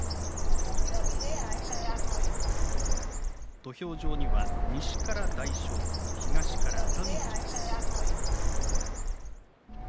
土俵上には西から大翔鵬東から熱海富士です。